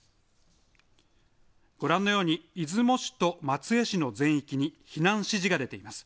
ご覧のように出雲市と松江市の全域に避難指示が出ています。